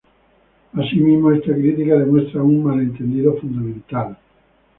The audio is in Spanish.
Asimismo, esta crítica demuestra un malentendido fundamental.